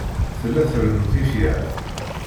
Tella trennu tifyar.